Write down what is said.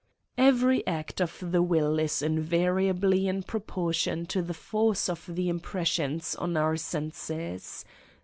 Every act of the will is invariably in proportion to the force of the impression on our senses.